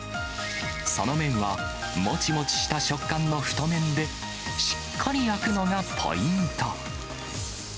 その麺は、もちもちした食感の太麺で、しっかり焼くのがポイント。